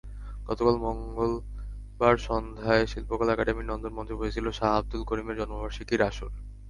গতকাল মঙ্গলবার সন্ধ্যায় শিল্পকলা একাডেমির নন্দন মঞ্চে বসেছিল শাহ আবদুল করিমের জন্মবার্ষিকীর আসর।